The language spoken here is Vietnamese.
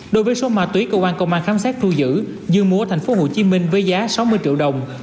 đối với số ma túy cơ quan công an khám sát thu dự dương mua ở thành phố hồ chí minh với giá sáu mươi triệu đồng